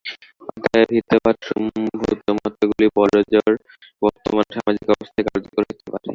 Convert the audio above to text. অতএব হিতবাদ-সম্ভূত মতগুলি বড়জোর বর্তমান সামাজিক অবস্থায় কার্যকর হইতে পারে।